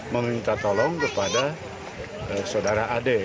meminta tolong kepada saudara ad